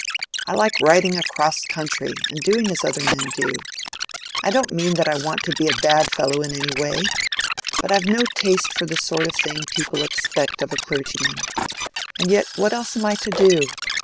I like riding across country, and doing as other men do. I don't mean that I want to be a bad fellow in any way; but I've no taste for the sort of thing people expect of a clergyman. And yet what else am I to do?